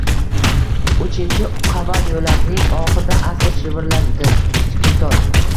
Uchinchi qavat, yo`lakning oxirida, asta shivirladi Kichkintoy